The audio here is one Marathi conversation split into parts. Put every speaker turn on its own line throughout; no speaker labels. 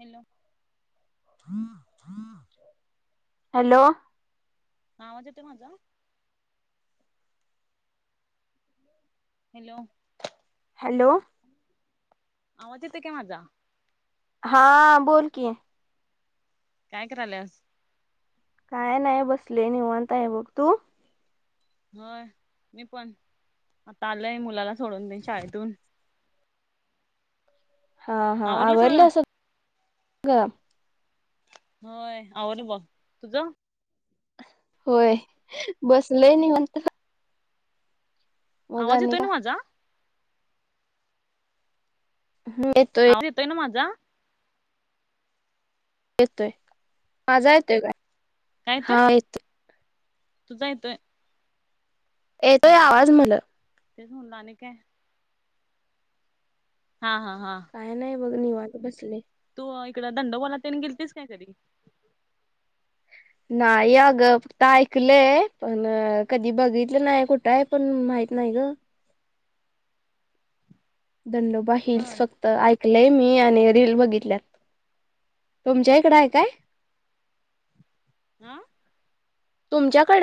हॅलो.
हॅलो.
हा आवाज येतोय माझा. हॅलो.
हॅलो.
आवाज येतंय काय माझा.
हा बोल की.
काय करालेस?
काय नाही बसलोय निवांत आहे बघ तू
होय मी पण आता आलोय मुलाला सोडून देऊन शाळेतून.
हां हां आवरलं असेल
होय आवरलं बघ तुझं.
होय बसलंय निवांत. मग
आवाज
आणि
येतोय
काय
ना माझा.
हो येतो.
आवाज येतोय ना माझा.
येतोय. माझा येतोय काय.
काय येतोय, तुझा येतोय. हा
येतोय आवाज मला
तेच म्हटलं आणि काय. हा हा हा.
काय नाही बघ निवांत बसले.
तो इकडं दंडोबा तेन गेलतीस काय कधी?
नाही अगं फक्त ऐकलंय पण, कधी बघितलं नाही कुठं आहे. पण माहित नाहीत गं. दंडोबा हिल्स,
होय
फक्त ऐकलंय मी आणि रील बघितल्यात. तुमच्या इकडं आहे काय?
हा.
तुमच्याकडे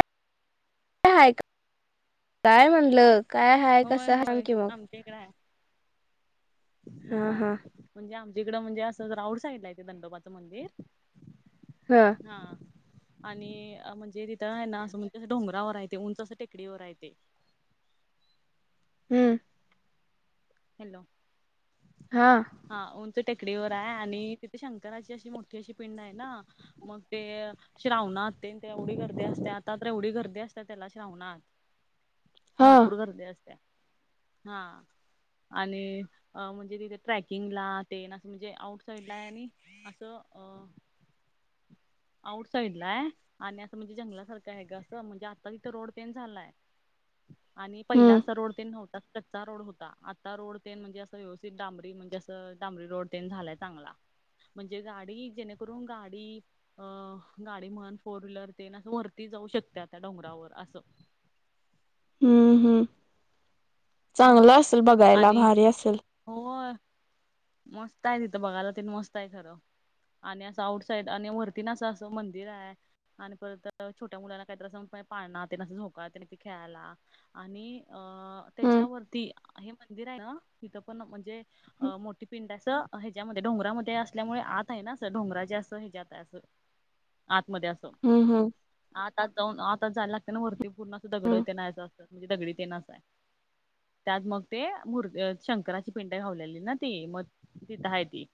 हाय काय म्हटलं. काय हाय कसं सांग की मग.
वेगळा आहे.
हा
हा
हा
म्हणजे आमच्याकडं म्हणजे असं, आऊट साईड ला येतेे. दंडोबाचं मंदिर.
हा..
हा आणि म्हणजे तिथ आहे ना असं म्हणजे असं डोंगरावर आहे ते उंच असं टेकडीवर आहे ते.
हम्म.
हॅलो.
हा.
हा ऊंच टेकडीवर आहे. आणि तिथे शंकराची अशी मोठी अशी पिंड आहे ना. मग ते श्रावणात तेन एवढी गर्दी असत्या. आता तर एवढी गर्दी असत्या त्याला श्रावणात.
हा
भरपूर गर्दी असत्या हां. आणि म्हणजे तिथे ट्रॅकिंगला तेन असं म्हणजे, आउट साइड ला आहे. आणि असं अ.. आऊट साईड ला आहे. आणि असं म्हणजे जंगलासारखं आहे गं असं. म्हणजे आता तिथं रोड तेन झालायं. आणि पहिला
हम्म
असं रोड तेन नव्ह कच्चा रोड होता. आता रोड तेन म्हणजे असं व्यवस्थित डांबरी म्हणजे, असं डांबरी रोड तेन झालाय चांगला. म्हणजे गाडी जेणेकरून गाडी. अ गाडी म्हण फोर व्हीलर ते असं वरती जाऊ शकत्या त्या डोंगरावर असं.
हम्म हम्म.
हा
चांगलं असलं बघायला
आणि
भारी असलं.
होय. मस्त आहे तिथं बघायला तेन मस्त आहे खरं. आणि असं आउट साईड आणि वरती ना असं असं मंदिर आहे. आणि परत छोट्या मुलाला काही तर असं पाळना तेन असं झोपाळा तेन‌ असं खेळायला. आणि अ
हम्म
त्याच्यावरती हे मंदिर आहे ना. तिथं पण म्हणजे
हम्म
मोठी. पिंड असं हेच्यामध्ये डोंगरामध्ये असल्यामुळे, आत आहे ना असं डोंगरा जे असं हेच्यात असं. आतमध्ये असं.
हम हम.
आत आत जाऊन आतच जायला लागते. ना वरती पूर्ण अस दगड
हम्म
तेन आहे असं म्हणजे दगडी तेन असं हाय. त्यात मग ते मूर्ती शंकराची पिंड घावलेली ना ते मग. तिथं आहे ती.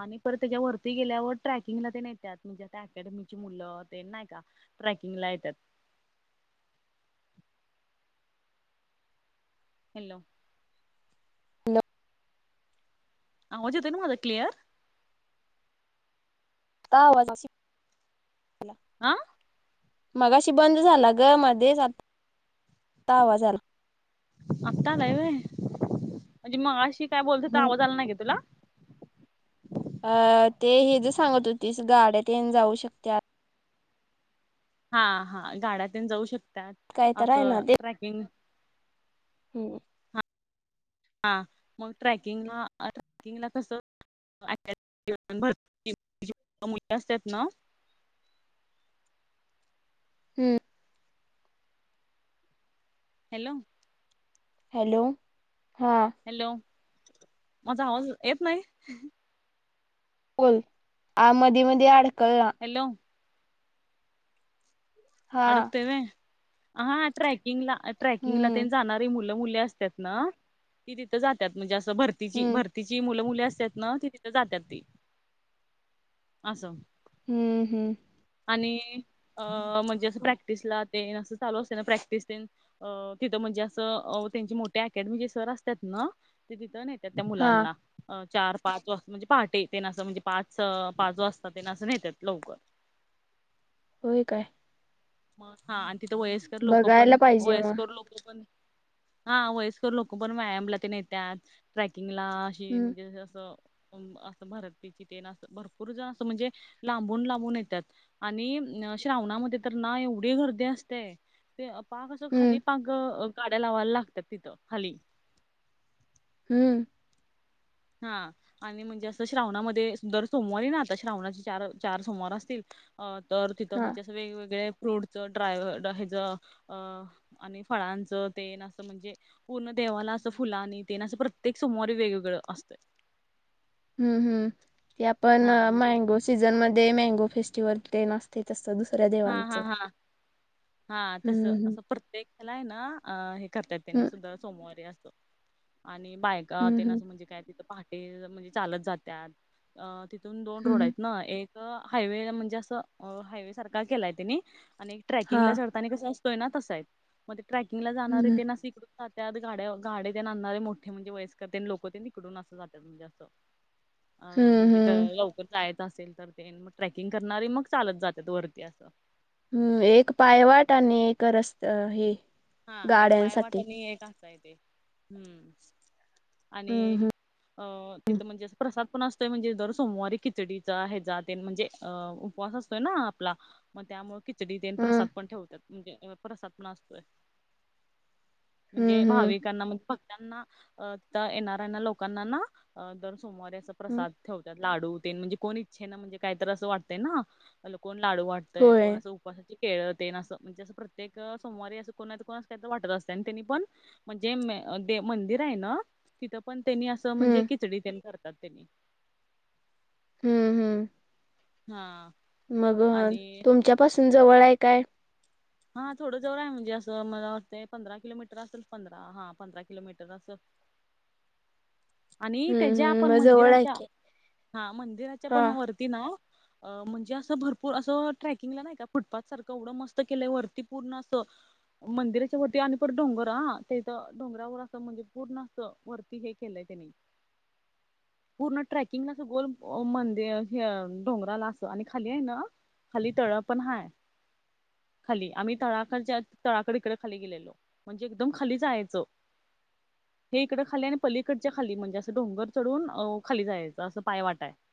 आणि परत त्याच्या वरती गेल्यावर ट्रॅकिंगला ला तेन येतात. म्हणजे आता अकॅडमीची मुलं ते नाही का. ट्रॅकिंग ला येत्यात. हॅलो.
[unintelligible]
आवाज येतोय नवं माझा क्लिअर.
का [unintelligible]
हा.
मगाशी बंद झाला गं मध्येच आत्ता आवाज आला.
आत्ता आलाय होय. म्हणजे मगाशी काय बोलत होतो ते
हम्म
आवाज आला नाही का तुला.
अ ते हेज सांगत होतीस गाड्या तेन जाऊ शकत्यात.
हा हा गाड्यातून जाऊ शकतात.
काय तर आहे ना
असं
ते
ट्रॅकिंग
[unintelligible]
हा मग ट्रॅकिंगला ट्रॅकिंगला कसं. [unintelligible] मुली असतात ना.
हम्म.
हॅलो.
हॅलो हां.
हॅलो माझा आवाज येत नाही.
बोल आ मधी मधी अडखळ.
हॅलो.
हा
अडकतय होय? हा ट्रॅकिंगला ट्रॅकिंगला
हम्म
तेन जाणारी मुल मुलं मुली असत्यात ना ती तिथे जात्यात म्हणजे असं भरतीची
हम्म
भर तिची मुलं मुली असतात ना, ती तिथं जात्यात ती असं.
हम्म हम्म.
आणि अ म्हणजे असं प्रॅक्टिसला तेन असं चालू असते ना प्रॅक्टिस तेन. अ तिथं म्हणजे असं त्यांचे मोठे अकॅडमीचे सर असतात ना. ते तिथं नेत्यात त्या
हा
मुलांना. अं चार पाच वाजता म्हणजे पहाटे तेन असं म्हणजे पाच पाच वाजता तेन अस नेतात लवकर.
होय काय?
मग हा आणि तिथं वयस्कर लोक पण,
बघायला पाहिजे मग
वयस्कर लोक पण हा वयस्कर लोक पण व्यायामला तेन येत्यात, ट्रेकिंगला अशी
हम्म
म्हणजे असं असं भरतिची तेन असं भरपूर जण असं म्हणजे लांबून लांबून येतात. आणि अ श्रावणामध्ये तर ना एवढी गर्दी असते. ते पाक असं खाली
हम्म
पाक ग तिथे गाड्या लावायला लागत्यात खाली.
हम्म.
हा. आणि म्हणजे असं श्रावणामध्ये दर सोमवारी ना आता श्रावणाची चार चार सोमवार असतील. अ तर तिथं
हा
म्हणजे असं वेगवेगळे फ्रूटच, ड्राय हेज अ आणि फळांचं तेन असं म्हणजे पूर्ण देवाला असं फुलांनी तेन असं प्रत्येक सोमवारी वेगवेगळं असतंय.
हम्म हम्म. ते आपण मँगो सीझनमध्ये मँगो फेस्टिवल तेन असतंय. ते तसं दुसऱ्या
हा
देवांच.
हा हा हा तसं असं प्रत्येकाला आहे ना अ हे करतात त्यांनी
हम्म
सुद्धा सोमवारी असं आणि बायका
हम्म
तेन
हम्म
असं म्हणजे काय तिथं पहाटे म्हणजे चालत जात्यात. अ तिथून दोन रोड
हम्म
आहेत ना, ‌एक तिथं हायवे म्हणजे अस अं हायवे सारखा केलाय त्यांनी आणि एक
हा
ट्रेकिंगला असं आणि कसं असतोय ना तसा हाय. मग ट्रॅकिंगला जाणार
हम्म
ते अशी तिकडून जात्यात. गाड्या गाडे तेन आणणारे मोठे म्हणजे वयस्कर तेन लोक तिकडून असं जात्यात म्हणजे असं. [inaudible] अ म
हम्म
म्हणजे
हम्म
लवकर जायचं असेल तर तेन मग ट्रेकिंग करणारी मग चालत जात्यात वरती असं.
हम्म एक पायवाट आणि एक रस्त हे
हा एक पाय वाट
गाड्यांसाठी
आणि एक असं आहे ते हम्म.
हम्म
आणि
हम्म
अ तिथं म्हणजे असं प्रसाद पण अस तर म्हणजे दर सोमवारी खिचडीचा हेजा तें म्हणजे अ उपवास असतोय ना आपला. मग त्यामुळं खिचडी तेन प्रसाद
हम्म
पण ठेवतात म्हणजे प्रसाद पण असतोय. म्हणजे
हम्म हम्म
भाविकांना मग भक्तांना अ आता येणाऱ्यांना लोकांना ना दर सोमवारी असं
हम्म.
प्रसाद ठेवतात लाडू तेन म्हणजे कोण इच्छेनं म्हणजे काहीतर असं वाटते ना, मग कोण लाडू वाट ते कोण
होय
असं उपवासाची केळ तेन असं म्हणजे असं प्रत्येक सोमवारी असं कोण ना कोण असं काहीतर वाटतं असतंय. आणि त्यांनी पण म्हणजे ते मंदिर आहे ना, तिथे पण त्यांनी असं म्हणजे
हम्म
खिचडी तेन करतात तेंनी.
हम्म हम्म.
हा.
मग
आणि
तुमच्यापासून जवळ आहे काय
हा थोडं जवळ आहे म्हणजे असं मला वाटतंय पंधरा किलोमीटर असेल. पंधरा हा पंधरा किलोमीटर असेल. आणि
हम्म
त्याच्या
हम्म
आपण
मग जवळ आहे
मंदिराच्या
की
हा मंदिराच्या पण
हा
वरती ना, अ म्हणजे असं भरपूर असं ट्रॅकिंगला नाही का फुटपाथ सारखं एवढं मस्त केलं वरती पूर्ण असं. मंदिराच्या वरती आणि परत डोंगर हा त्याथं डोंगरावर असं म्हणजे पूर्ण अस वरती हे केलय. [inaudible] पूर्ण ट्रेकिंगला अस गोल मंदिर डोंगराला असं, आणि खाली आहे ना. खाली तळा पण हाय खाली आम्ही तळाकडच्या तळाकड इकडे खाली गेलेलो. म्हणजे एकदम खाली जायचं. हे इकडं खाली आणि पली कडच्या खाली म्हणजे असं डोंगर चढून खाली जायचं असं पाय वाट आहे.